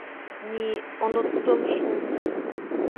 — Ни, оноттом шул...